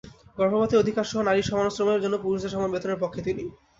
গর্ভপাতের অধিকারসহ নারীর সমান শ্রমের জন্য পুরুষদের সমান বেতনের পক্ষে তিনি।